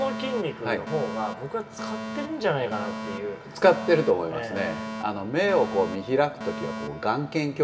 使ってると思いますね。